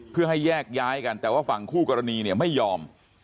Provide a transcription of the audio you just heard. เพื่อให้แยกย้ายกันแต่ว่าฝั่งคู่กรณีเนี่ยไม่ยอม